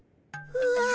うわ。